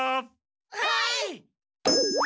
はい！